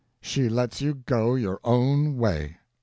"She lets you go your own way!